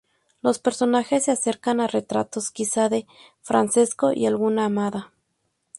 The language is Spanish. Los personajes se acercan a retratos, quizá de Francesco y alguna amada.